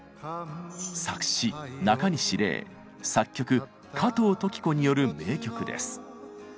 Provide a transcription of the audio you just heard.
作詞なかにし礼作曲加藤登紀子による名曲です。